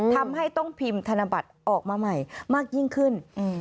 ทำให้ต้องพิมพ์ธนบัตรออกมาใหม่มากยิ่งขึ้น